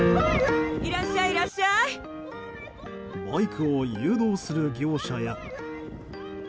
バイクを誘導する業者や。